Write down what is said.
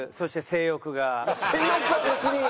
性欲は別に。